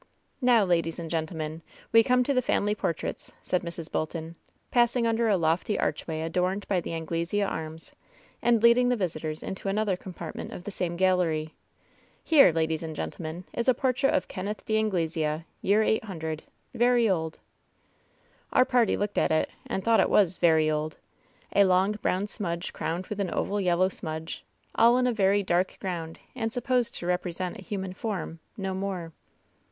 "Now, ladies and gentlemen, we come to the family portraits," said Mrs. Bolton, passing under a lofty arch way adorned by the Anglesea arms, and leading the visitors into another compartment of the same gallery. "Here, ladies and gentlemen, is a portrait of Kenneth d' Anglesea, year 800 ; very old." Our party looked at it and thought it was "very old" — a long brown smudge crowned with an oval yellow smudge, all in a very dark ground, and supposed to represent a human form — ^no more.